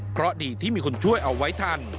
เพราะดีที่มีคนช่วยเอาไว้ทัน